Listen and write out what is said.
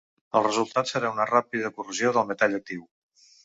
El resultat serà una ràpida corrosió del metall actiu.